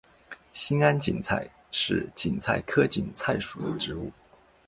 兴安堇菜是堇菜科堇菜属的植物。